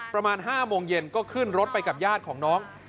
ประมาณ๕โมงเย็นก็ขึ้นรถไปกับญาติของน้อง